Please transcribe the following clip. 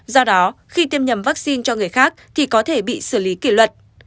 do đó khi tiêm nhầm vaccine cho người khác thì có thể bị xử lý kỷ luật